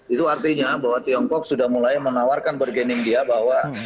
itu artinya bahwa tiongkok sudah mulai menawarkan bergening dia bahwa